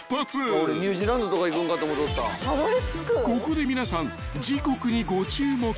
［ここで皆さん時刻にご注目］